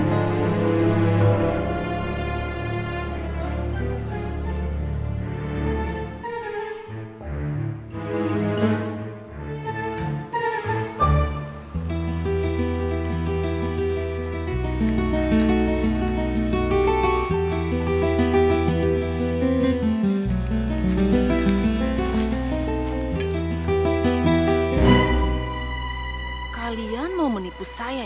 ketidur keponakan dia males sama